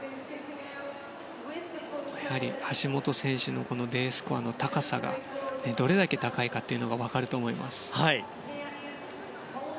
やはり、橋本選手のＤスコアの高さがどれだけ高いかが分かると思います。